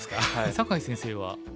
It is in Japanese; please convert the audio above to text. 酒井先生は。